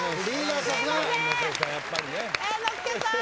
猿之助さーん。